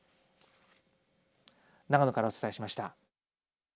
長野からお伝えしました。